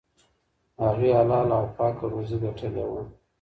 هغې حلاله او پاکه روزي ګټلې وه.